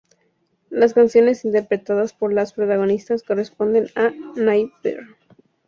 Las canciones interpretadas por las protagonistas corresponden a Nai Br.